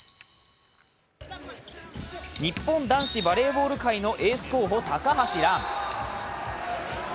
日本男子バレーボール界のエース候補・高橋藍。